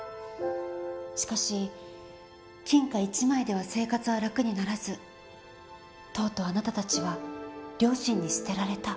しかし金貨１枚では生活は楽にならずとうとうあなたたちは両親に捨てられた。